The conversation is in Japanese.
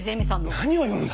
何を言うんだ！